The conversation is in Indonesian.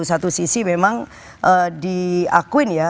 satu sisi memang diakuin ya